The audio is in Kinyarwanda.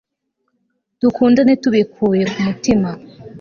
dukundane tubikuye ku mutima